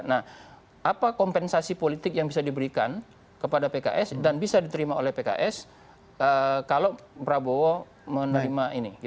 nah apa kompensasi politik yang bisa diberikan kepada pks dan bisa diterima oleh pks kalau prabowo menerima ini